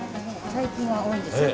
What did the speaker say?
最近は多いですね